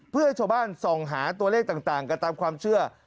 เพื่อให้ชาวบ้านส่องหาตัวเลขต่างกันตามความเชื่อ